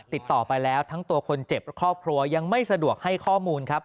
ติดต่อไปแล้วทั้งตัวคนเจ็บและครอบครัวยังไม่สะดวกให้ข้อมูลครับ